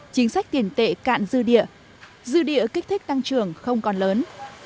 chính sách tiền tệ cạn dư địa dư địa kích thích tăng trưởng không còn lớn